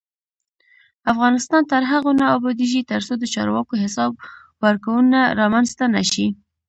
افغانستان تر هغو نه ابادیږي، ترڅو د چارواکو حساب ورکونه رامنځته نشي.